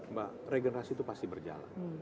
mbak regenerasi itu pasti berjalan